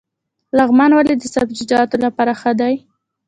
لغمان ولې د سبزیجاتو لپاره ښه دی؟